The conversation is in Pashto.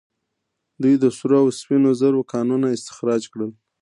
دوی د سرو او سپینو زرو کانونه استخراج کړل